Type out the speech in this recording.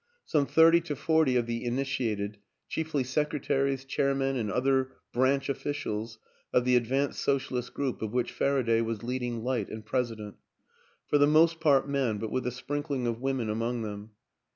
Some thirty to forty of the initiated, chiefly sec retaries, chairmen and other branch officials of the advanced socialist group of which Faraday was leading light and president for the most part men, but with a sprinkling of women among them.